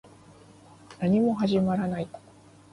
何も始まらない